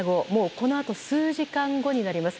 このあと数時間後になります。